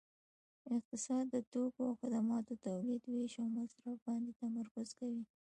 اقتصاد د توکو او خدماتو تولید ویش او مصرف باندې تمرکز کوي